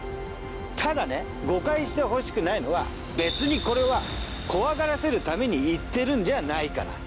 ただね誤解してほしくないのは別にこれは怖がらせるために言ってるんじゃないから。